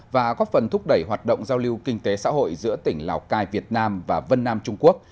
và có phần thúc đẩy hoạt động giao lưu kinh tế xã hội giữa tỉnh lào cai việt nam và vân nam trung quốc